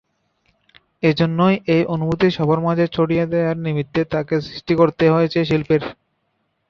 এজন্যই এই অনুভূতি সবার মাঝে ছড়িয়ে দেয়ার নিমিত্তে তাকে সৃষ্টি করতে হয়েছে শিল্পের।